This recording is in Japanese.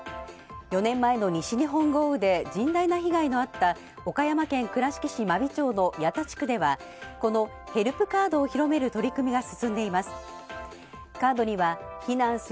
４年前の西日本豪雨で甚大な被害のあった岡山県倉敷市真備町の箭田地区ではこのヘルプカードを広める取り組みが進んでいます。